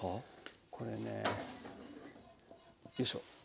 これねよいしょ。